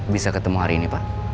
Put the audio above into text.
bisa ketemu hari ini pak